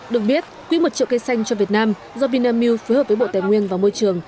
được biết quỹ một triệu cây xanh cho việt nam do vinamilk phối hợp với bộ tài nguyên và môi trường